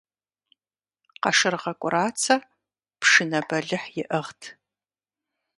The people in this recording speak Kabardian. Къашыргъэ КӀурацэ пшынэ бэлыхь иӀыгът.